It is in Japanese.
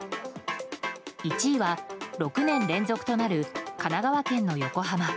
１位は６年連続となる神奈川県の横浜。